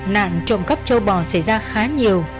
nạn trộm cắp châu bò xảy ra khá nhiều